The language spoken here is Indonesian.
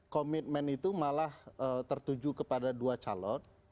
komitmen itu malah tertuju kepada dua calon